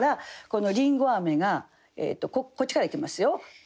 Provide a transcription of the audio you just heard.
この「りんご」がこっちからいきますよ。